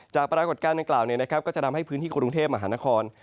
ปรากฏการณ์ดังกล่าวก็จะทำให้พื้นที่กรุงเทพมหานคร